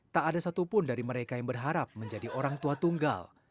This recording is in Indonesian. tak ada satupun dari mereka yang berharap menjadi orang tua tunggal